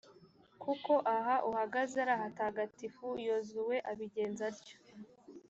kuko aha uhagaze ari ahatagatifu.» yozuwe abigenza atyo.